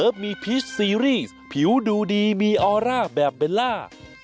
มีพีชซีรีส์ผิวดูดีมีออร่าแบบเบลล่า